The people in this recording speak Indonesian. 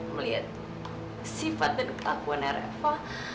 melihat sifat dan ketakuan eropa